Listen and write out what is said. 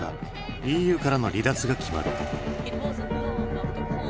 ＥＵからの離脱が決まる。